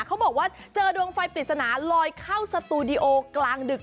เขาบอกว่าเจอดวงไฟปริศนาลอยเข้าสตูดิโอกลางดึก